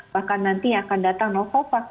bahkan nanti akan datang novavax